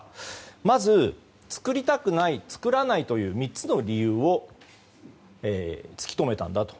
まず、作りたくない作らないという３つの理由を突き止めたんだと。